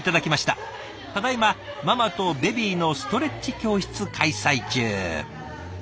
ただいまママとベビーのストレッチ教室開催中。